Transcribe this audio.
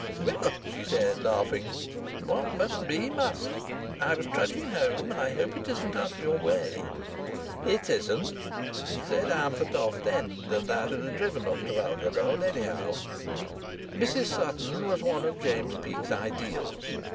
"Well," she said, laughing, "what must be, must. I was trudging home, and I hope it isn't out of your way." "It isn't," he said; "I'm for Toft End, and I should have driven up Trafalgar Road anyhow." Mrs Sutton was one of James Peake's ideals.